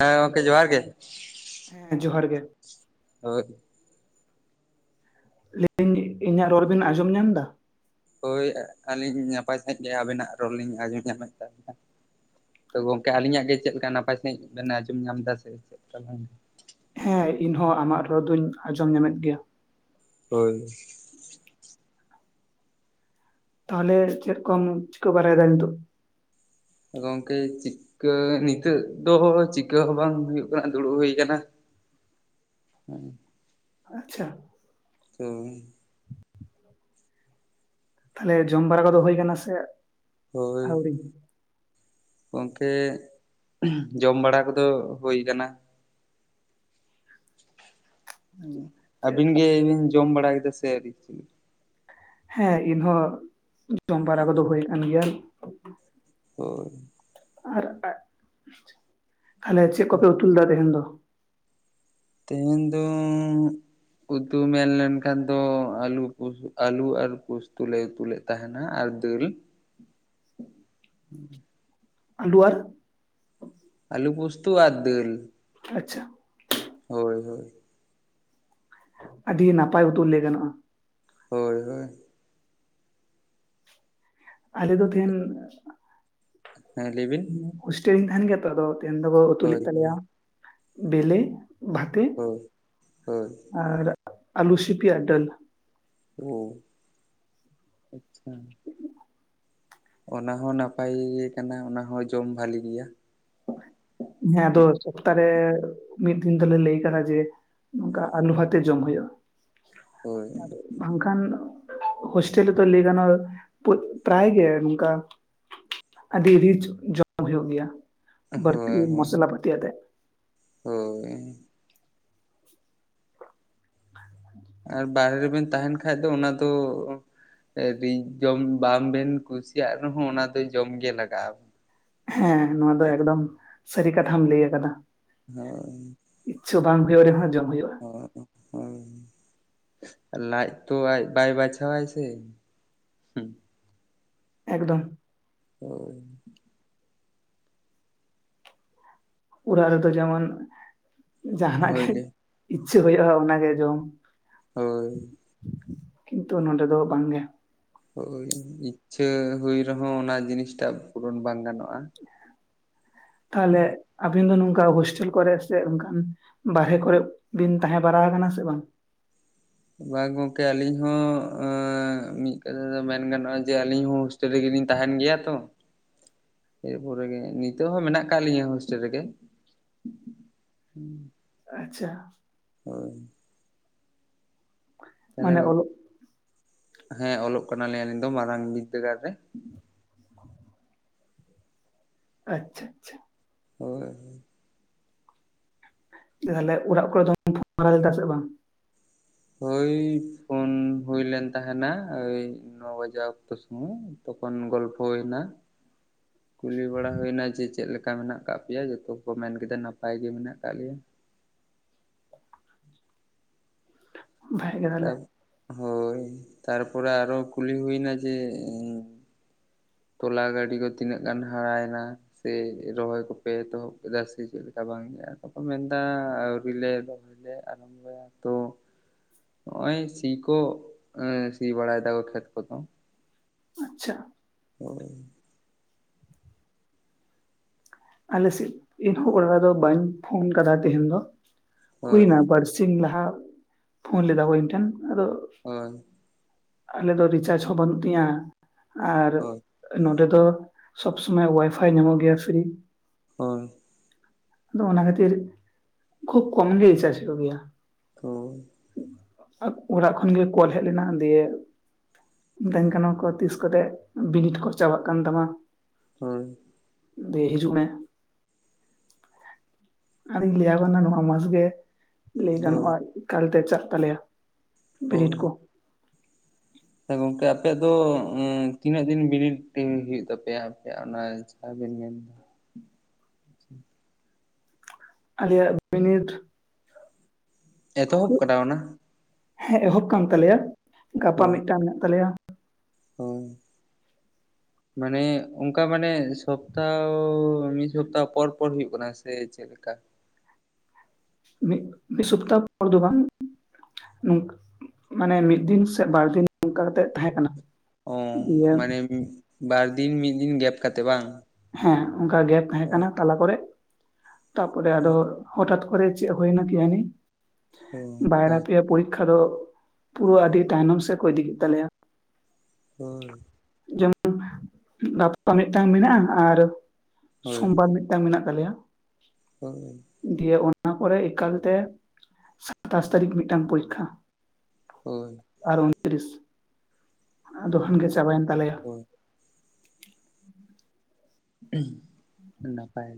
ᱦᱮᱸ ᱜᱚᱢᱠᱮ ᱡᱚᱦᱟᱨ ᱜᱮ ᱦᱮᱸ ᱡᱚᱦᱟᱨ ᱜᱮ [inaudible] ᱞᱟᱹᱭ ᱫᱤᱧ ᱤᱧᱟᱹᱜ ᱨᱚᱲ ᱵᱮᱱ ᱟᱸᱡᱚᱢ ᱧᱟᱢ ᱮᱫᱟ ᱦᱳᱭ ᱟᱹᱞᱤᱧ ᱱᱟᱯᱟᱭ ᱥᱟᱺᱦᱤᱡ ᱜᱮ ᱟᱵᱤᱱᱟᱜ ᱨᱳᱞ ᱞᱤᱧ ᱟᱸᱡᱚᱢ ᱧᱟᱢᱮᱫ [unintelligible] ᱛᱚ ᱜᱚᱝᱠᱮ ᱟᱹᱞᱤᱧᱟᱜ ᱜᱮ ᱪᱮᱫ ᱞᱮᱠᱟ ᱱᱟᱯᱟᱭ ᱥᱟᱺᱦᱤᱡ ᱵᱮ ᱟᱸᱡᱚᱢ ᱧᱟᱢᱫᱟ? ᱥᱮ ᱪᱮᱫ ᱞᱮᱠᱟ? ᱦᱮᱸ ᱤᱧ ᱦᱚᱸ ᱟᱢᱟᱜ ᱨᱚᱲ ᱫᱚᱩᱧ ᱟᱸᱡᱚᱢ ᱧᱟᱢᱮᱫ ᱜᱮᱭᱟ ᱦᱳᱭ ᱛᱟᱦᱚᱞᱮ ᱪᱮᱫ ᱠᱚᱢ ᱪᱤᱠᱟᱹ ᱵᱟᱲᱟᱭᱮᱫᱟ ᱫᱟ ᱱᱤᱛᱚᱜ ᱜᱚᱝᱠᱮ ᱪᱤ ᱠᱟ. ᱱᱤᱛᱟ. ᱜ ᱫᱚ ᱪᱤᱠᱟᱹ ᱦᱚᱸ ᱵᱟᱝ ᱦᱩᱭᱩᱜ ᱠᱟᱱᱟ ᱫᱩᱲᱩᱵ ᱦᱩᱭ ᱟᱠᱟᱱᱟ ᱦᱮᱸ ᱟᱪᱷᱟ ᱚ ᱛᱟᱦᱚᱞᱮ ᱡᱚᱢ ᱵᱟᱲᱟ ᱠᱚᱫᱚ ᱦᱳ ᱠᱟᱱᱟ ᱥᱮ ᱦᱳᱭ ᱟᱹᱣᱨᱤ? ᱜᱚᱝᱠᱮ ᱡᱚᱢ ᱵᱟᱲᱟ ᱠᱚᱫᱚ ᱦᱩᱭ ᱟᱠᱟᱱᱟ ᱟᱹᱵᱤᱱ ᱜᱮᱵᱤᱱ ᱡᱚᱢ ᱵᱟᱲ ᱠᱮᱫᱟ ᱥᱮ ᱟᱣᱨᱤ? ᱦᱮᱸ ᱤᱧ ᱦᱚ ᱡᱚᱢ ᱵᱟᱨᱟ ᱠᱚᱫᱚ ᱦᱳᱭ ᱠᱟᱱ ᱜᱮᱭᱟ ᱦᱳᱭ ᱟᱨ ᱟᱡ ᱪᱮᱫ ᱠᱚᱯᱮ ᱩᱛᱩ ᱞᱮᱫᱟ ᱛᱮᱦᱮᱧ ᱫᱚ? ᱛᱮᱦᱮᱧ ᱫᱚ ᱩᱛᱩ ᱢᱮᱱ ᱞᱮᱱᱠᱷᱟᱱ ᱫᱚ ᱟᱞᱩ ᱯᱩᱥ ᱟᱞᱩ ᱟᱨ ᱯᱩᱥᱛᱩ ᱞᱮ ᱩᱛᱩ ᱞᱮᱫᱟ ᱛᱟᱦᱮᱱᱟ ᱟᱨ ᱫᱟᱹᱞ [unintelligible] ᱟᱞᱩ ᱟᱨ ᱟᱞᱩ ᱳᱩᱥᱛᱩ ᱟᱨ ᱫᱟᱹᱞ ᱟᱪᱷᱟ ᱦᱳᱭ ᱦᱳᱭ ᱟᱹᱰᱤ ᱱᱟᱯᱟᱭ ᱩᱛᱩ ᱞᱟᱹᱭ ᱜᱟᱱᱚᱜᱼᱟ ᱦᱳᱭ ᱦᱳᱭ ᱟᱞᱮ ᱫᱚ ᱛᱮᱦᱮᱧ ᱦᱮᱸ ᱞᱟᱹᱭ ᱵᱤᱱ ᱦᱳᱥᱴᱮᱞ ᱨᱤᱧ ᱛᱟᱦᱮᱱ ᱜᱮᱭᱟ ᱛᱚ ᱟᱫᱚ ᱛᱮᱦᱮᱧ ᱫᱚᱠᱚ ᱩᱛᱩ ᱦᱳᱭ ᱞᱮᱫ ᱛᱟᱞᱮᱭᱟ ᱦᱳᱭ ᱵᱮᱞᱮ ᱵᱷᱟᱛᱮ ᱦᱳᱸ ᱦᱮᱸ ᱟᱨ ᱟᱞᱩ ᱥᱤᱯᱤ ᱟᱨ ᱰᱟᱹᱞ ᱳ ᱟᱪᱷᱟ ᱚᱱᱟ ᱦᱚᱸ ᱱᱟᱯᱟᱭ ᱜᱮ ᱠᱟᱱᱟ ᱚᱱᱟᱦ ᱡᱚᱢ ᱵᱷᱟᱹᱞᱤ ᱜᱮᱭᱟ ᱦᱮᱸ ᱟᱫᱚ ᱥᱚᱯᱛᱟᱦᱮ ᱢᱤᱫ ᱫᱤᱱ ᱫᱚᱞᱮ ᱞᱟᱹᱭ ᱟᱠᱟᱫᱟ ᱡᱮ ᱱᱚᱝᱠᱟ ᱟᱹᱞᱩ ᱵᱟᱨᱭᱟ. ᱡᱚᱢ ᱦᱩᱭᱩᱜᱼᱟ ᱦᱳᱭ ᱵᱟᱝᱠᱷᱟᱱ ᱦᱥᱴᱮᱞ ᱨᱮᱛᱚ ᱞᱟ. ᱭ ᱜᱟᱱᱚᱜ ᱯᱨᱟᱭ ᱜᱮ ᱱᱚᱝᱠᱟ ᱟᱹᱰᱤ ᱨᱤᱡ ᱡᱚᱢ ᱦᱩᱭᱩᱜ ᱜᱮᱭᱟ ᱦᱳᱭ ᱦᱮᱸ ᱵᱟᱭ ᱯᱟᱛᱤᱭᱟ. ᱜ ᱛᱮ ᱦᱳᱭ [inaudible] ᱟᱨ ᱵᱟᱦᱨᱮ ᱨᱮᱵᱮᱱ ᱛᱟᱦᱮᱱ ᱠᱷᱟᱡ ᱫᱚ ᱚᱱᱟ ᱫᱚ ᱮᱫᱤᱧ ᱡᱚᱢ ᱵᱟᱝ ᱵᱤᱱ ᱠᱩᱥᱤᱭᱟᱜ ᱨᱮᱦᱚ ᱡᱚᱢᱜᱮ ᱞᱟᱜᱟᱜᱼᱟ ᱦᱮᱸ ᱱᱚᱶᱟ ᱫᱚ ᱮᱜᱽᱫᱚᱢ ᱥᱟᱹᱨᱤ ᱠᱟᱛᱷᱟᱢ ᱞᱟᱹᱭ ᱟᱠᱟᱫᱟ ᱦᱳᱭ ᱤᱪᱪᱷᱷᱟ ᱵᱟᱝ ᱛᱟᱦᱮ ᱞᱮᱠᱷᱟᱡ ᱡᱟ ᱦᱩᱭᱩᱜ -ᱟ ᱦᱚ ᱦᱳᱭ ᱞᱟᱡ ᱛᱚ ᱟᱡ ᱵᱟᱭ ᱵᱟᱪᱷᱟᱣᱟᱭ ᱥᱮ ᱮᱠᱫᱚᱢ ᱦᱳᱭ ᱯᱩᱨᱟ. ᱱᱤᱛᱚᱜ ᱡᱮᱢᱚᱱ ᱡᱟᱦᱱᱟᱜ ᱜᱮ ᱦᱳᱭᱞᱮ ᱤᱪᱪᱷᱟᱹ ᱦᱩᱭᱩᱜᱼᱟ ᱚᱱᱟᱜᱮ ᱡᱚᱢ ᱦᱳᱭ ᱠᱤᱱᱛᱩ ᱱᱚᱰᱮ ᱫᱚ ᱵᱟᱝ ᱜᱮ ᱦᱳᱭ ᱤᱪᱷᱟᱹ ᱦᱩᱭ ᱨᱮᱦᱚᱸ ᱚᱱᱟ ᱡᱤᱱᱤᱥᱴᱟᱜ ᱯᱩᱨᱚᱱ ᱵᱟᱝ ᱜᱟᱱᱚᱜᱼᱟ ᱛᱟᱦᱞᱮ ᱟᱵᱤᱱ ᱫᱚ ᱱᱚᱝᱠᱟ ᱦᱳᱥᱴᱮᱞ ᱠᱚᱨᱮ ᱪᱮᱫ ᱚᱱᱠᱟᱱ ᱵᱟᱨᱮ ᱚᱨᱮ ᱵᱤᱱ ᱛᱟᱦᱮᱸ ᱵᱟᱲᱟ ᱟᱠᱟᱱᱟ ᱥᱮ ᱵᱟᱝ? ᱵᱟᱝ ᱜᱚᱝᱠᱮ ᱟᱞᱤᱧ ᱦᱚᱸ ᱢᱤᱫ ᱠᱟᱛᱷᱟ ᱫᱚ ᱢᱮᱱ ᱜᱟᱱᱚᱜᱼᱟ ᱡᱮ ᱟᱞᱤᱧ ᱦᱚᱸ ᱴᱮᱞ ᱨᱮᱜᱮᱞᱤᱧ ᱛᱟᱦᱮᱱ ᱜᱮᱭᱟ ᱛᱚ [inaudible] ᱮᱨᱯᱚᱨᱮᱜ ᱜᱮ ᱱᱤᱛᱚᱜ ᱦᱚᱸ ᱢᱮᱱᱟᱜ ᱟᱠᱟᱫ ᱞᱤᱧᱟᱹ ᱦᱳᱥᱴᱮᱞ ᱨᱮᱜᱮ ᱦᱩᱸ ᱟᱪᱪᱷᱟ ᱦᱳᱭ ᱛᱟᱦᱚᱞᱮ ᱢᱟᱱᱮ ᱚᱞᱚᱜ ᱦᱮᱸ ᱚᱞᱚᱜ ᱠᱟᱱᱟᱞᱤᱧ ᱟᱹᱞᱤᱧ ᱫᱚ ᱢᱟᱨᱟᱝ ᱵᱤᱫᱽᱫᱟᱹᱜᱟᱲ ᱨᱮ ᱟᱪᱪᱷᱟ ᱟᱪᱪᱷᱟ ᱦᱳᱭ ᱦᱳᱭ ᱛᱟᱦᱞᱮ ᱚᱲᱟᱜ ᱠᱚᱨᱮ ᱫᱚ ᱯᱷᱳᱱ ᱵᱟᱲᱟᱭ ᱫᱟ ᱥᱮ ᱵᱟᱝ ᱦᱳᱭ ᱯᱷᱳᱱ ᱦᱩᱭᱞᱮᱱ ᱛᱟᱦᱮᱱᱟ ᱳᱭ ᱱᱚ ᱵᱟᱡᱟᱜ ᱚᱠᱛᱚ ᱥᱚᱢᱚᱭ ᱛᱚᱠᱷ ᱜᱚᱞᱯᱚ ᱦᱩᱭᱱᱟ [inaudible] ᱠᱩᱞᱤ ᱵᱟᱲᱟ ᱦᱩᱭᱮᱱᱟ ᱡᱮ ᱪᱮᱫ ᱞᱮᱠᱟ ᱢᱮᱱᱟᱜ ᱟᱠᱟᱫ ᱯᱮᱭᱟ ᱡᱚᱛᱚ ᱠᱚ ᱢᱮᱱ ᱠᱮᱫᱟ ᱱᱟᱯᱟᱭ ᱜᱮ ᱢᱮᱱᱟᱜ ᱟᱠᱟᱫ ᱞᱮᱭᱟ ᱵᱷᱟᱜᱮ ᱜᱮ ᱛᱟ ᱛᱟᱦᱚᱞᱮ ᱦᱳᱭ ᱛᱟᱨᱯᱚᱨᱮ ᱟᱨᱚ ᱠᱩᱞᱤ ᱦᱩᱭᱱᱟ ᱡᱮ ᱛᱚᱞᱟ ᱜᱟᱹᱰᱤ ᱠᱚ ᱛᱤᱱᱟᱹᱜ ᱜᱟᱱ ᱦᱟᱨᱟᱭᱮᱱᱟ ᱥᱮ ᱨᱚᱦᱚᱭ ᱠᱚᱯᱮ ᱮᱛᱚᱦᱚᱵ ᱠᱮᱫᱟ ᱥᱮ ᱪᱮᱫᱞᱮᱠᱟ ᱵᱟᱝ ᱟᱠᱚ ᱠᱚ ᱢᱮᱱᱫᱟ ᱟᱹᱣᱨᱤ ᱞᱮ ᱨᱚ ᱟ. ᱣᱨᱤᱞᱮ ᱟᱨᱟᱢᱵᱚᱭᱟ ᱛᱚ ᱦᱚᱜᱼᱚᱭ ᱥᱤ ᱠᱚ ᱥᱤ ᱵᱟᱲᱟᱭ ᱫᱟᱠᱚ ᱠᱷᱮᱛ ᱠᱚᱫᱚ ᱟᱪᱪᱷᱟ ᱦᱳᱭ ᱟᱞᱮ ᱥᱮᱫ ᱩᱢ ᱠᱚ ᱵᱟᱜᱟᱣ ᱫᱟ ᱵᱟᱹᱧ ᱯᱷᱳᱱ ᱠᱟᱫᱟ ᱛᱮᱦᱤᱧ ᱫᱚ ᱦᱳᱭ ᱦᱩᱭᱱᱟ ᱵᱟᱨ ᱥᱤᱧ ᱞᱟᱦᱟ ᱯᱷᱳᱱ ᱞᱮᱫᱟ ᱠᱚ ᱤᱧ ᱴᱷᱮᱱ ᱟᱫᱚ ᱦᱚᱭ ᱟᱞᱮ ᱫᱚ ᱨᱤᱪᱟᱨᱡ ᱦᱚᱸ ᱵᱟᱹᱱᱩᱜ ᱛᱤᱧᱟᱹ ᱟᱨ ᱦᱳᱭ ᱱᱚᱰᱮ ᱫᱚ ᱥᱚᱵᱽ ᱥᱚᱢᱚᱭ ᱳᱣᱟᱭᱯᱷᱟᱭ ᱧᱟᱢᱚᱜ ᱜᱮᱭᱟ ᱯᱷᱤᱨᱤ ᱦᱳᱭ ᱟᱫᱚ ᱚᱱᱟ ᱠᱷᱟᱹᱛᱤᱨ ᱠᱷᱩᱵ ᱠᱚᱢ ᱜᱮ ᱨᱤᱪᱟᱨᱪ ᱦᱩᱭᱩᱜ ᱜᱮᱭᱟ ᱛᱚ ᱚᱲᱟᱜ ᱠᱷᱚᱱᱜᱮ ᱠᱚᱞ ᱦᱮᱡ ᱞᱮᱱᱟ ᱫᱤᱭᱮ ᱢᱤᱛᱟᱹᱧ ᱠᱟᱱᱟ ᱠᱚ ᱛᱤᱥ ᱠᱚᱛᱮᱜ ᱵᱤᱱᱤᱴ ᱠᱚ ᱪᱟᱵᱟᱜ ᱠᱟᱱ ᱛᱟᱢᱟ ᱦᱳᱭ ᱫᱤᱭᱮ ᱦᱤᱡᱩᱜ ᱢᱮ ᱟᱨᱤᱧ ᱞᱟᱹᱭ ᱟᱠᱚ ᱠᱟᱱᱟ ᱱᱚᱣᱟ ᱢᱟᱥ ᱜᱮ ᱞᱟᱹᱭ ᱦᱳᱭ ᱜᱟᱱᱚᱜᱼᱟ ᱮᱠᱟᱞᱛᱮ ᱪᱟᱜ ᱛᱟᱞᱮᱭᱟ ᱵᱤᱱᱤᱰ ᱠᱚ ᱟᱪᱪᱟ ᱜᱚᱝᱠᱮ ᱟᱯᱮᱭᱟᱜ ᱫᱚ ᱛᱤᱱᱟᱹᱜ ᱫᱤᱱ ᱵᱤᱱᱤᱴ ᱦᱩᱭᱩᱜ ᱛᱟᱯᱮᱭᱟ ᱟᱯᱮᱭᱟᱜ ᱚᱱᱟ [unintelligible] ᱟᱞᱮᱭᱟᱜ ᱵᱤᱱᱤᱴ ᱮᱛᱚᱦᱚᱵ ᱠᱟᱫᱟ ᱚᱱᱟ ᱦᱮᱸ ᱮᱦᱚᱵ ᱠᱟᱱ ᱛᱟᱞᱮᱭᱟ ᱜᱟᱯᱟ ᱦᱳᱭ ᱢᱤᱫᱴᱟᱝ ᱢᱮᱱᱟᱜ ᱛᱟᱞᱮᱭᱟ ᱦᱳᱭ [unintelligible] ᱢᱟᱱᱮ ᱚᱝᱠᱟ ᱢᱟᱱᱮ ᱥᱚᱯᱛᱟᱦᱚ ᱢᱤᱫ ᱥᱚᱯᱛᱟᱦᱚ ᱯᱚᱨ ᱯᱚᱨ ᱦᱩᱭᱩᱜ ᱠᱟᱱᱟ ᱥᱮ ᱪᱮᱫ ᱞᱮᱠᱟ ᱢᱤᱫ ᱢᱤᱫ ᱥᱚᱯᱛᱟᱦᱚ ᱯᱚᱨ ᱫᱚ ᱵᱟᱝ ᱱᱚᱝ ᱠᱟ ᱢᱟᱱᱮ ᱢᱤᱫ ᱫᱤᱱ ᱥᱮ ᱵᱟᱨ ᱫᱤᱱ ᱱᱚᱝᱠᱟ ᱠᱟᱛᱮᱜ ᱛᱟᱦᱮᱸ ᱠᱟᱱᱟ ᱚ ᱫᱤᱭᱮ ᱢᱟᱱᱮ ᱵᱟᱨ ᱫᱤᱱ ᱢᱤᱫ ᱫᱤᱱ ᱜᱮᱯ ᱠᱟᱛᱮ ᱵᱟᱝ ᱦᱮᱸ ᱚᱝᱠᱟ ᱜᱮᱯ ᱛᱟᱦᱮᱸ ᱦᱳᱭ ᱠᱟᱱᱟ ᱛᱟᱞᱟ ᱠᱚᱨᱮ ᱛᱟᱯᱚᱨᱮ ᱟᱫᱚ ᱦᱚᱴᱟᱛ ᱠᱚᱨᱮ ᱪᱮᱫ ᱦᱩᱭᱱᱟ ᱠᱮᱡᱟᱱᱤ ᱵᱟᱭᱨᱟ ᱦᱮᱸ ᱯᱮᱭᱟ ᱯᱩᱨᱤ ᱠᱷᱟᱡ ᱫᱚ ᱯᱩᱨᱟᱹ ᱟᱹᱰᱤ ᱛᱟᱭᱱᱚᱢ ᱥᱮᱫ ᱠᱚ ᱤᱫᱤ ᱠᱮᱫ ᱛᱟᱞᱮᱭᱟ ᱦᱳᱭ ᱡᱮᱢᱚᱱ ᱜᱟᱯᱟ ᱢᱤᱫᱴᱟᱝ ᱢᱮᱱᱟᱜᱼᱟ ᱟᱨ ᱦᱳᱭ ᱥᱳᱢᱵᱟᱨ ᱢᱤᱫᱴᱟᱝ ᱢᱮᱱᱟᱜ ᱛᱟᱞᱮᱭᱟ ᱦᱳᱭ ᱫᱤᱭᱮ ᱚᱱᱟ ᱯᱚᱨᱮ ᱮᱠᱟᱞᱛᱮ ᱥᱟᱛᱟᱥ ᱛᱟᱹᱨᱤᱠᱷ ᱢᱤᱫᱴᱟᱝ ᱯᱚᱨᱤᱠᱷᱟ ᱦᱳᱭ ᱟᱨ ᱩᱱᱛᱨᱤᱥ ᱟᱫᱚ ᱠᱷᱟᱱᱜᱮ ᱪᱟᱵᱟᱭᱮᱱ ᱛᱟᱞᱮᱭᱟ ᱦᱳᱭ [unintelligible] ᱱᱟᱯᱟᱭ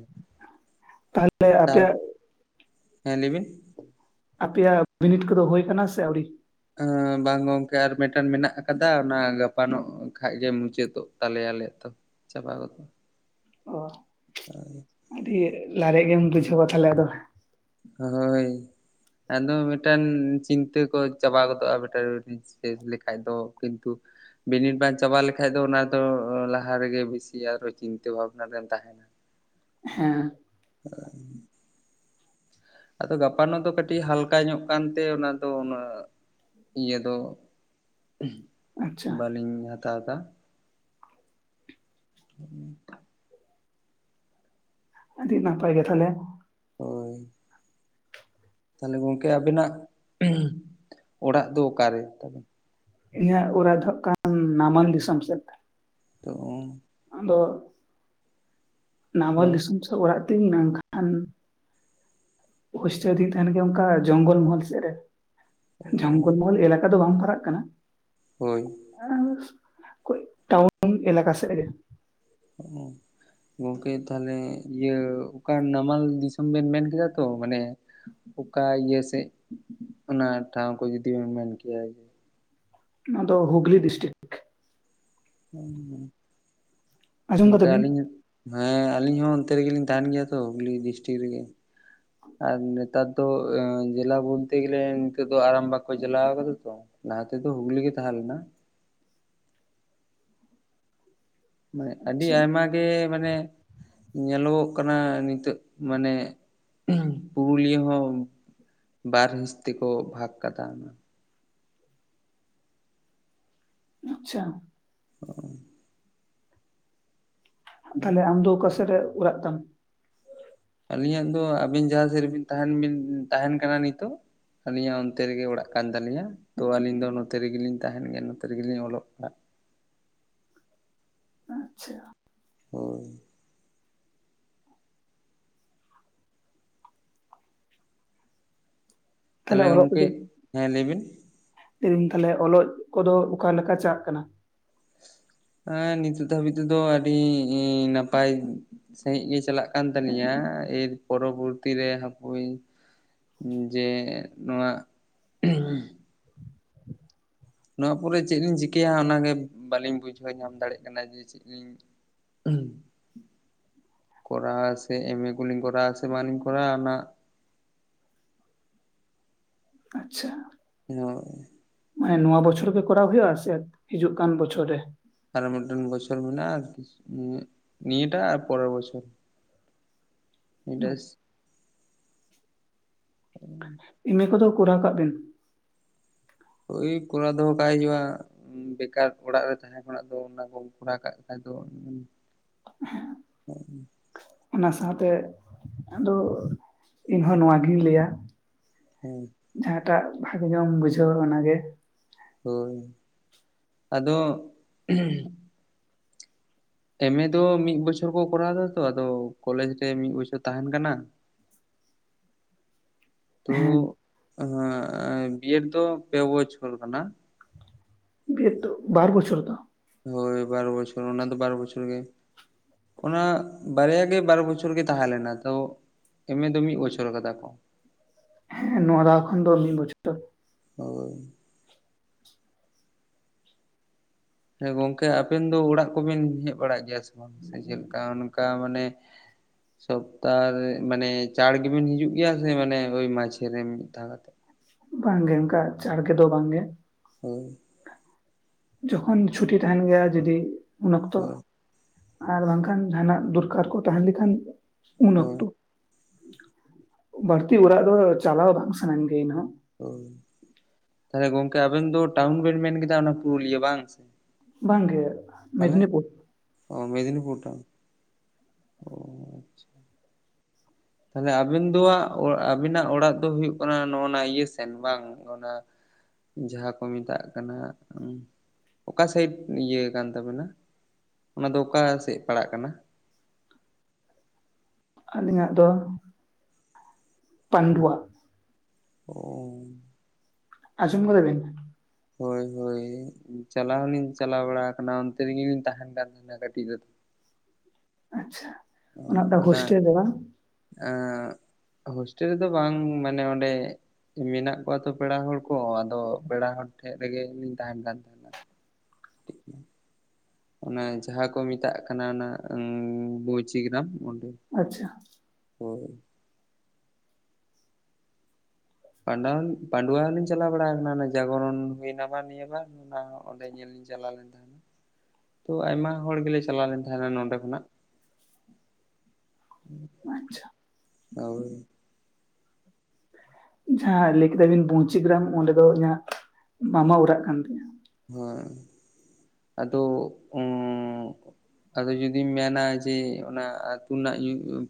ᱛᱟᱦᱚᱞᱮ ᱟᱯᱮᱭᱟᱜ [unintelligible] ᱦᱮᱸ ᱞᱟᱹᱭ ᱵᱤᱱ ᱟᱯᱮᱭᱟᱜ ᱵᱤᱱᱤᱴ ᱠᱚᱫᱚ ᱦᱩᱭ ᱠᱟᱱᱟ ᱥᱮ ᱟᱹᱣᱨᱤ ᱮ ᱵᱟᱝ ᱜᱚᱝᱠᱮ ᱟᱨ ᱢᱤᱫᱴᱟᱝ ᱢᱮᱱᱟᱜ ᱟᱠᱟᱫᱟ ᱚᱱᱟ ᱜᱟᱯᱟ ᱱᱚᱜ ᱠᱷᱟᱜ ᱜᱮ ᱢᱩᱪᱟᱹᱫᱚᱜ ᱛᱟᱞᱮᱭᱟ ᱟᱞᱮᱭᱟᱜ ᱛᱚ ᱪᱟᱵᱟ ᱜᱚᱫᱚᱼᱟ ᱚ ᱟᱹᱰᱤ ᱞᱟᱨᱮᱜ ᱜᱮᱢ ᱵᱩᱡᱷᱟᱹᱣᱟ ᱛᱟᱦᱞᱮ ᱟᱫᱚ ᱦᱳᱭ ᱟᱫᱚ ᱢᱤᱫᱴᱟᱝ ᱪᱤᱱᱛᱟᱹ ᱠᱚ ᱪᱟᱵᱟ ᱜᱚᱫᱚᱜᱼᱟ [inaudible] ᱪᱮᱫ ᱞᱮᱠᱟᱡ ᱫᱚ ᱠᱤᱱᱛᱩ ᱵᱤᱱᱤᱴ ᱵᱟᱝ ᱪᱟᱵᱟ ᱞᱮᱠᱷᱟᱡ ᱫᱚ ᱚᱱᱟ ᱫᱚ ᱞᱟᱦᱟ ᱨᱮᱜᱮ ᱵᱤᱥᱤ ᱟᱨᱦᱚᱸ ᱪᱤᱱᱛᱟᱹ ᱵᱷᱟᱵᱱᱟ ᱨᱮᱢ ᱛᱟᱦᱮᱸᱱᱟ ᱦᱮᱸ [unintelligible] ᱟᱫᱚ ᱜᱟᱯᱟᱱᱚᱜ ᱫᱚ ᱠᱟᱹᱴᱤᱡ ᱦᱟᱞᱠᱟ ᱧᱚᱜ ᱠᱟᱱᱛᱮ ᱚᱱᱟ ᱫᱚ ᱩᱱᱟᱹᱜ ᱤᱭᱟᱹ ᱫᱚ ᱟᱪᱪᱷᱟ ᱵᱟᱹᱞᱤᱧ ᱦᱟᱛᱟᱣ ᱫᱟ [inaudible] ᱟᱹᱰᱤ ᱱᱟᱯᱟᱭ ᱜᱮ ᱛᱟᱦᱞᱮ ᱦᱳᱭ ᱛᱟᱦᱞᱮ ᱜᱚᱝᱠᱮ ᱟᱵᱤᱱᱟᱜ ᱚᱲᱟᱜ ᱫᱚ ᱚᱠᱟᱨᱮ ᱛᱟᱵᱤᱱ ᱤᱧᱟᱜ ᱚᱲᱟᱜ ᱫᱚ ᱠᱟᱱ ᱱᱟᱢᱟᱱ ᱫᱤᱥᱚᱢ ᱥᱮᱫ ᱚ ᱟᱫᱚ ᱱᱟᱢᱟᱞ ᱦᱳᱭ ᱫᱤᱥᱚᱢ ᱥᱮᱜ ᱚᱲᱟᱜ ᱛᱤᱧ ᱢᱮᱱᱠᱷᱟᱱ ᱦᱳᱥᱴᱮᱞ ᱨᱮᱧ ᱛᱟᱦᱮᱸᱱ ᱜᱮᱭᱟ ᱚᱱᱠᱟ ᱡᱚᱝᱜᱚᱞ ᱢᱚᱦᱚᱞ ᱥᱮᱫ ᱨᱮ ᱚ ᱡᱚᱝᱜᱚᱞ ᱢᱚᱦᱚᱞ ᱮᱞᱟᱠᱟ ᱟᱫᱚ ᱵᱟᱢ ᱯᱟᱨᱟᱜ ᱠᱟᱱᱟ ᱦᱳᱭ ᱦᱮ ᱴᱟᱣᱩᱱ ᱮᱞᱟᱠᱟ ᱥᱮᱫ ᱨᱮ ᱚ ᱜᱚᱝᱠᱮ ᱛᱟᱦᱚᱞᱮ ᱤᱭᱟᱹ ᱚᱠᱟ ᱱᱟᱢᱟᱞ ᱫᱤᱥᱚᱢ ᱵᱮᱱ ᱢᱮᱱ ᱠᱮᱫᱟ ᱛᱚ ᱢᱟᱱᱮ ᱚᱠᱟ ᱤᱭᱟᱹ ᱥᱮᱜᱽ ᱚᱱᱟ ᱴᱷᱟᱶ ᱠᱚ ᱡᱩᱫᱤᱢ ᱢᱮᱱ ᱠᱮᱭᱟ ᱱᱚᱣᱟ ᱫᱚ ᱦᱩᱜᱽᱞᱤ ᱰᱤᱥᱴᱤᱠ [unintelligible] ᱟᱸᱡᱚᱢ ᱠᱟᱫᱟ ᱜᱚᱝᱠᱮ ᱵᱤᱱ ᱟᱹᱞᱤᱧᱟᱜ ᱦᱮᱸ ᱟᱞᱤᱧ ᱦᱚᱸ ᱚᱱᱛᱮ ᱨᱮᱜᱮᱞᱤᱧ ᱛᱟᱦᱮᱱ ᱜᱮᱭᱟ ᱛᱚ ᱦᱩᱜᱽᱞᱤ ᱰᱤᱥᱴᱤᱠ ᱨᱮᱜᱮ ᱟᱨ ᱱᱮᱛᱟᱨ ᱫᱚ ᱡᱮᱞᱟ ᱵᱚᱞᱛᱮ ᱜᱮᱞᱮ ᱱᱤᱛᱟᱹᱜ ᱫᱚ ᱟᱨᱟᱢᱵᱟᱠ ᱠᱚ ᱡᱣᱞᱟᱣ ᱠᱟᱫᱟ ᱛᱚ ᱞᱟᱦᱟᱛᱮ ᱫᱚ ᱦᱩᱜᱽᱞᱤ ᱜᱮ ᱛᱟᱦᱮᱞᱮᱱᱟ ᱢᱟᱱᱮ ᱟᱹᱰᱤ ᱟᱪᱪᱷᱟ ᱟᱭᱢᱟ ᱜᱮ ᱢᱟᱱᱮ ᱧᱮᱞᱚᱜᱚᱜ ᱠᱟᱱᱟ ᱱᱤᱛᱚᱜ ᱢᱟᱱᱮ ᱯᱩᱨᱩᱞᱤᱭᱟᱹ ᱦᱚᱸ ᱵᱟᱨ ᱦᱤᱸᱥ ᱛᱮᱠᱚ ᱵᱷᱟᱜᱽ ᱠᱟᱫᱟ ᱚᱱᱟ ᱟᱪᱪᱷᱟ [unintelligible] ᱛᱟᱦᱞᱮ ᱟᱢ ᱫᱚ ᱚᱠᱟ ᱥᱮᱫ ᱨᱮ ᱚᱲᱟᱜ ᱛᱟᱢ ᱟᱹᱞᱤᱧᱟᱜ ᱫᱚ ᱟᱹᱵᱤᱱ ᱡᱟᱦᱟᱸ ᱥᱮᱫ ᱨᱮᱵᱤᱱ ᱛᱟᱦᱮᱱ ᱵᱤᱱ ᱛᱟᱦᱮᱱ ᱠᱟᱱᱟ ᱱᱤᱛᱚᱜ ᱟᱹᱞᱤᱧᱟᱜ ᱚᱱᱛᱮ ᱨᱮᱜᱮ ᱚᱲᱟᱜ ᱠᱟᱱ ᱛᱟᱹᱟᱞᱤᱧᱟ ᱛᱚ ᱟᱹᱞᱤᱧ ᱫᱚ ᱱᱚᱛᱮ ᱨᱮᱜᱮᱞᱤᱧ ᱛᱟᱦᱮᱱ ᱜᱮᱭᱟ ᱱᱚᱛᱮ ᱨᱮᱜᱮ ᱞᱤᱧ ᱚᱞᱚᱜ ᱯᱟᱲᱟᱜ ᱟᱪᱪᱷᱟ ᱦᱩᱸ ᱛᱟᱞᱦᱮ ᱛᱟᱦᱚᱞᱮ ᱚᱞᱚᱜ ᱜᱚᱝᱠᱮ ᱠᱚᱫᱚ, ᱦᱮᱸ ᱞᱟᱹᱭ ᱵᱤᱱ ᱞᱟᱹᱭᱫᱟᱹᱧ ᱛᱟᱞᱦᱮ ᱚᱞᱚᱜ ᱠᱚᱫᱚ ᱚᱠᱟᱞᱮᱠᱟ ᱪᱟᱞᱟᱜ ᱠᱟᱱᱟ ᱦᱮᱸ ᱱᱤᱛᱚᱜ ᱫᱷᱟᱹᱵᱤᱡ ᱛᱮᱫᱚ ᱟᱹᱰᱤ ᱤ ᱱᱟᱯᱟᱭ ᱥᱟᱹᱦᱤᱡ ᱜᱮ ᱪᱟᱞᱟᱜ ᱠᱟᱱ ᱛᱟᱞᱤᱧᱟ ᱮᱤᱨ ᱯᱚᱨᱚᱵᱚᱨᱛᱤ ᱨᱮ ᱦᱟᱯᱳᱭ ᱡᱮ ᱱᱚᱣᱟ [unintelligible] ᱱᱚᱣᱟ ᱯᱚᱨᱮ ᱪᱮᱫᱞᱤᱧ ᱪᱤᱠᱟᱹᱭᱟ ᱚᱱᱟᱜᱮ ᱵᱟᱞᱤᱧ ᱵᱩᱡᱷᱟᱹᱣ ᱧᱟᱢ ᱫᱟᱲᱮᱭᱟᱜ ᱠᱟᱱᱟ ᱡᱮ ᱪᱮᱫ ᱞᱤᱧ [unintelligible] ᱠᱚᱨᱟᱣ-ᱟ ᱥᱮ ᱮᱢ ᱮ ᱠᱚᱞᱤᱧ ᱠᱚᱨᱟᱣ-ᱟ ᱥᱮ ᱵᱟᱞᱤᱧ ᱠᱚᱨᱟᱣ ᱟ ᱚᱱᱟ ᱟᱪᱪᱷᱟ [unintelligible] ᱢᱟᱱᱮ ᱱᱚᱣᱟ ᱵᱚᱪᱷᱚᱨ ᱜᱮ ᱠᱚᱨᱟᱣ ᱦᱩᱭᱩᱜᱼᱟ ᱥᱮ ᱦᱤᱡᱩᱜ ᱠᱟᱱ ᱵᱚᱪᱷᱚᱨ ᱨᱮ ᱟᱨ ᱢᱤᱫᱴᱮᱱ ᱵᱚᱪᱚᱨ ᱢᱮᱱᱟᱜᱼᱟ ᱱᱤ ᱱᱤᱭᱟᱹᱴᱟᱜ ᱟᱨ ᱯᱚᱨᱮᱨ ᱵᱪᱷᱚᱨ ᱰᱮᱥ ᱦᱮᱸ [unintelligible] ᱤᱱᱟᱹ ᱠᱚᱫᱚ ᱠᱚᱨᱟ ᱠᱟᱜ ᱵᱤᱱ ᱦᱳᱭ ᱠᱚᱨᱟᱣ ᱫᱚᱦᱚ ᱠᱟᱜ ᱦᱩᱭᱩᱜ-ᱟ ᱵᱮᱠᱟᱨ ᱚᱲᱟᱜ ᱨᱮ ᱛᱟᱦᱮᱸᱟᱸ ᱠᱷᱚᱱᱟᱜ ᱫᱚ ᱚᱱᱟ ᱠᱚᱢ ᱠᱚᱨᱟᱣ ᱠᱟᱜ ᱠᱷᱟ ᱫᱚ [unintelligible] ᱚᱱᱟ ᱥᱟᱶᱛᱮ ᱟᱫᱚ ᱤᱧ ᱦᱚᱸ ᱱᱚᱣᱟ ᱜᱤᱧ ᱞᱟᱹᱭᱟ [unintelligible] ᱡᱟᱦᱟᱸᱴᱟᱜ ᱵᱷᱟᱜᱮ ᱜᱮᱢ ᱵᱩᱡᱷᱟᱹᱣᱟ ᱫᱟ ᱚᱱᱟᱜᱮ ᱦᱳᱭ ᱟᱫᱚ ᱮᱢ ᱮ ᱫᱚ ᱢᱤᱫ ᱵᱚᱪᱷᱚᱨ ᱠᱚ ᱠᱚᱨᱟᱣ ᱮᱫᱟ ᱛᱚ ᱟᱫᱚ ᱠᱚᱞᱮᱡᱽ ᱨᱮ ᱢᱤᱫ ᱵᱚᱪᱷᱚᱨ ᱛᱟᱦᱮᱸᱱ ᱠᱟᱱᱟ [inaudible] ᱛᱚ ᱦᱮᱸ ᱵᱤᱮᱰ ᱫᱚ ᱯᱮ ᱵᱚᱪᱷᱚᱨ ᱠᱟᱱᱟ ᱵᱤᱮᱰ ᱫᱚ ᱵᱟᱨ ᱵᱚᱪᱷᱚᱨ ᱛᱚ ᱦᱳᱭ ᱵᱟᱨᱚ ᱵᱚᱪᱷᱚᱨ ᱚᱱᱟ ᱫᱚ ᱵᱟᱨᱚ ᱵᱚᱪᱷᱚᱨ ᱜᱮ ᱚᱱᱟ ᱵᱟᱨᱭᱟᱜ ᱜᱮ ᱵᱟᱨ ᱵᱚᱪᱷᱚᱨ ᱜᱮ ᱛᱟᱦᱮᱸ ᱞᱮᱱᱟ ᱛᱚ ᱮᱢᱮ ᱫᱚ ᱢᱤᱫ ᱵᱚᱪᱷᱚᱨ ᱟᱠᱟᱫᱟ ᱠᱚ ᱦᱮᱸ ᱱᱚᱣᱟ ᱫᱷᱟᱣ ᱠᱷᱚᱱ ᱫᱚ ᱢᱤᱫ ᱵᱚᱪᱷᱚᱨ [unintelligible] ᱦᱮᱸ ᱜᱚᱝᱠᱮ ᱟᱵᱮᱱ ᱫᱚ ᱚᱲᱟᱜ ᱠᱚᱵᱤᱱ ᱦᱮᱡ ᱵᱟᱲᱟᱜ ᱜᱮᱭᱟ ᱥᱮ ᱪᱮᱫ ᱠᱟ ᱚᱱᱠᱟ ᱢᱟᱱᱮ ᱥᱚᱯᱛᱟ ᱨᱮ ᱢᱟᱱᱮ ᱪᱟᱲ ᱜᱮᱵᱮᱱ ᱦᱤᱡᱩᱜ ᱜᱮᱭᱟ ᱥᱮ ᱢᱟᱱᱮ ᱳᱭ ᱢᱟᱡᱷᱮ ᱨᱮ ᱢᱤᱫ ᱫᱷᱟᱣ ᱠᱟᱛᱮᱜ ᱵᱟᱝᱜᱮ ᱚᱱᱠᱟ ᱪᱟᱲᱜᱮ ᱫᱚ ᱵᱟᱝᱜᱮ ᱦᱳᱭ ᱡᱚᱠᱷᱚᱱ ᱪᱷᱩᱴᱤ ᱛᱟᱦᱮᱸᱱ ᱜᱮᱭᱟ ᱡᱩᱚᱫᱤ ᱩᱱ ᱚᱠᱛᱚ ᱦᱳᱭ ᱟᱨ ᱵᱟᱝᱠᱷᱟᱱ ᱡᱟᱦᱟᱸᱱᱟᱜ ᱫᱚᱨᱠᱟᱨ ᱠᱚ ᱛᱟᱦᱮᱸᱱ ᱞᱮᱠᱷᱟᱱ ᱩᱱ ᱦᱳᱭ ᱚᱠᱛᱚ ᱵᱟᱹᱲᱛᱤ ᱚᱲᱟᱜ ᱫᱚ ᱪᱟᱞᱟᱣ ᱵᱟᱝ ᱥᱟᱱᱟᱧ ᱜᱮᱭᱟ ᱤᱧᱦᱚᱸ ᱳ ᱛᱟᱦᱞᱮ ᱜᱚᱢᱠᱮ ᱟᱵᱮᱱ ᱫᱚ ᱴᱟᱣᱩᱱ ᱵᱤᱱ ᱢᱮᱱ ᱠᱮᱫᱟ ᱚᱱᱟ ᱯᱩᱨᱩᱞᱤᱭᱟᱹ ᱵᱟᱝ ᱥᱮ ᱵᱟᱝ ᱜᱮ ᱛᱟᱦᱚᱞᱮ ᱢᱮᱫᱽᱱᱤᱯᱩᱨ ᱚ ᱢᱮᱫᱽᱱᱤ ᱯᱩᱨ ᱴᱟᱣᱩᱱ ᱚ ᱛᱟᱦᱞᱮ ᱟᱹᱵᱤᱱ ᱫᱚ ᱦᱟᱸᱦ ᱟᱹᱵᱤᱱᱟᱜ ᱚᱲᱟᱜ ᱫᱚ ᱦᱩᱭᱩᱜ ᱠᱟᱱᱟ ᱱᱚᱜᱼ ᱱᱟ ᱤᱭᱟᱹ ᱥᱮᱱ ᱵᱟᱝ ᱚᱱᱟ ᱡᱟᱦᱟᱸ ᱠᱚ ᱢᱮᱛᱟᱜ ᱠᱟᱱᱟ ᱚᱠᱟ ᱥᱟᱭᱤᱰ ᱤᱭᱟᱹ ᱠᱟᱱ ᱛᱟᱵᱮᱱᱟ ᱚᱱᱟ ᱫᱚ ᱚᱠᱟ ᱥᱮᱫ ᱯᱟᱲᱟᱜ ᱠᱟᱱᱟ ᱟᱹᱞᱤᱧᱟᱜ ᱫᱚ ᱯᱟᱸᱰᱩᱣᱟ ᱚ ᱟᱸᱡᱚᱢ ᱠᱟᱫᱟ ᱵᱤᱱ ᱦᱳᱭ ᱦᱳᱭ ᱪᱟᱞᱟᱣ ᱦᱚᱞᱤᱧ ᱪᱟᱞᱟᱣ ᱵᱟᱲᱟ ᱟᱠᱟᱱᱟ ᱚᱱᱛᱮ ᱨᱮᱜᱮᱞᱤᱧ ᱛᱟᱦᱮᱱ ᱠᱟᱱ ᱛᱟᱦᱮᱱᱟ ᱠᱟᱹᱴᱤᱡ ᱨᱮᱫᱚ ᱟᱪᱪᱷᱟ ᱚᱱᱟ ᱢᱤᱫ ᱴᱟᱝ ᱦᱳᱥᱴᱮᱞ ᱨᱮ ᱵᱟᱝ ᱦᱳᱥᱴᱮᱞ ᱨᱮᱫᱚ ᱵᱟᱝ ᱢᱟᱱᱮ ᱚᱸᱰᱮ ᱢᱮᱱᱟᱜ ᱠᱚᱣᱟ ᱛᱚ ᱯᱮᱲᱟ ᱦᱚᱲ ᱠᱚ ᱟᱫᱚ ᱯᱮᱲᱟ ᱦᱚᱲ ᱴᱷᱮᱡ ᱨᱮᱜᱮᱤᱧ ᱛᱟᱦᱮᱱ ᱠᱟᱱ ᱛᱟᱦᱮᱸᱱᱟ [unintelligible] ᱚᱱᱟ ᱡᱟᱦᱟᱸ ᱠᱚ ᱢᱮᱛᱟᱜ ᱠᱟᱱᱟ ᱚᱱᱟ ᱵᱳᱸᱣᱪᱤ ᱜᱨᱟᱢ ᱚᱸᱰᱮ ᱟᱪᱪᱷᱟ ᱦᱳᱭ ᱯᱰᱣᱟᱱ ᱯᱺᱰᱩᱣᱟ ᱦᱚᱸ ᱞᱤᱧ ᱪᱟᱞᱟᱣ ᱵᱟᱲᱟ ᱟᱠᱟᱱᱟ ᱡᱟᱜᱚᱨᱚᱱ ᱦᱩᱭᱱᱟᱢᱟ ᱱᱤᱭᱟᱹ ᱵᱟᱨ ᱚᱱᱟ ᱚᱸᱰᱮ ᱧᱮᱞ ᱤᱧ ᱪᱟᱞᱟᱣ ᱞᱮᱱ ᱛᱟᱦᱮᱱᱟ ᱛᱚ ᱟᱭᱢᱟ ᱦᱚᱲ ᱜᱮᱞᱮ ᱪᱟᱞᱟᱣ ᱞᱮᱱ ᱛᱟᱦᱮᱱᱟ ᱱᱚᱰᱮ ᱠᱷᱚᱱᱟᱜ ᱟᱪᱪᱷᱟ ᱳᱭ ᱡᱟᱦᱟᱸ ᱞᱟᱹᱭ ᱠᱮᱫᱟ ᱵᱤᱱ ᱯᱩᱧᱪᱤ ᱜᱨᱟᱢ ᱚᱸᱰᱮ ᱫᱚ ᱤᱧᱟᱹᱜ ᱢᱟᱢᱟ ᱚᱲᱟᱜ ᱠᱟᱱ ᱛᱤᱧᱟ ᱦᱮᱸ ᱟᱫᱚ ᱩ ᱟᱫᱚ ᱡᱩᱫᱤᱢ ᱢᱮᱱᱟ ᱡᱮ ᱚᱱᱟ ᱟᱹᱛᱩ ᱨᱮᱱᱟᱜ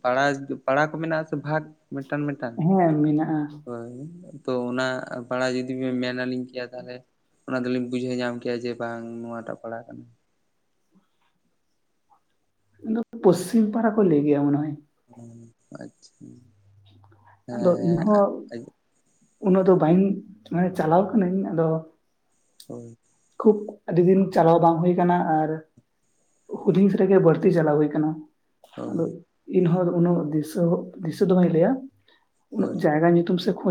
ᱯᱟᱲᱟ ᱯᱟᱲᱟ ᱠᱚ ᱢᱮᱱᱟᱜᱥᱮ ᱵᱷᱟᱜᱽ ᱢᱤᱫᱴᱟᱝ ᱢᱤᱫᱴᱟᱝ ᱦᱮᱸ ᱢᱮᱱᱟᱜᱼᱟ ᱦᱳᱭ ᱛᱚ ᱚᱱᱟ ᱵᱷᱟᱲᱟ ᱡᱩᱫᱤ ᱵᱮᱱ ᱢᱮᱱᱟᱞᱤᱧ ᱜᱮᱭᱟ ᱛᱟᱦᱚᱞᱮ ᱚᱱᱟ ᱫᱚᱞᱤᱧ ᱵᱩᱡᱷᱟᱹᱣ ᱧᱟᱢ ᱠᱮᱭᱟ ᱡᱮ ᱵᱟᱝ ᱱᱚᱣᱟᱴᱟᱜ ᱯᱟᱲᱟ ᱠᱟᱱᱟ ᱯᱚᱥᱪᱤᱢ ᱯᱟᱲᱟ ᱠᱚ ᱞᱮ ᱜᱮᱭᱟ ᱢᱚᱱᱮᱦᱚᱭ ᱦᱚ ᱟᱪᱪᱷᱟ ᱟᱫᱚ ᱤᱧᱦᱚ ᱦᱮᱸ ᱩᱱᱟᱹᱜ ᱫᱚ ᱵᱟᱹᱧ ᱢᱟᱱᱮ ᱪᱟᱞᱟᱣ ᱟᱠᱟᱱᱟᱹᱧ ᱟᱫᱚ ᱦᱳᱭ ᱠᱷᱩᱵ ᱟᱹᱰᱤ ᱫᱤᱱ ᱪᱟᱞᱟᱣ ᱵᱟᱝ ᱦᱩᱭ ᱠᱟᱱᱟ ᱟᱨ ᱦᱩᱰᱤᱧ ᱥ ᱨᱮᱜᱮ ᱵᱟᱹᱲᱛᱤ ᱪᱟᱞᱟᱣ ᱦᱩᱭ ᱠᱟᱱᱟ ᱟᱫᱚ ᱦᱳᱭ ᱤᱧᱦᱚ ᱩᱱᱟᱹᱜ ᱫᱤᱥᱟᱹ ᱫᱤᱥᱟᱹ ᱫᱚ ᱵᱟᱹᱧ ᱞᱟᱹᱭᱟ ᱩᱱ ᱦᱳᱭ ᱡᱟᱭᱜᱟ ᱧᱩᱛᱩᱢ ᱥᱮ ᱠᱷᱚᱡ